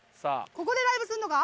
ここでライブすんのか？